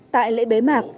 tại lễ bế mạc